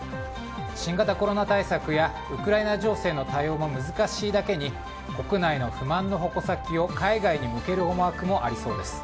新型コロナ対策やウクライナ情勢の対応も難しいだけに国内の不満の矛先を海外に向ける思惑もありそうです。